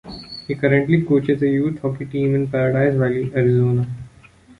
He currently coaches a youth hockey team in Paradise Valley, Arizona.